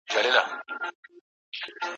ایا څېړونکی باید د متن شواهد وڅېړي؟